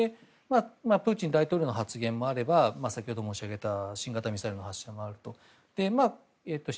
プーチン大統領の発言もあれば先ほど、申し上げた新型ミサイルの発射もあると。